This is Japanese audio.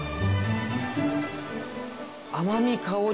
甘み香り